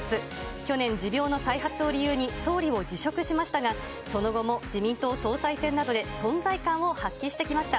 去年、持病の再発を理由に総理を辞職しましたが、その後も自民党総裁選などで、存在感を発揮してきました。